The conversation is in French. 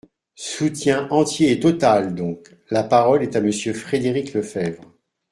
Soutien entier et total, donc ! La parole est à Monsieur Frédéric Lefebvre.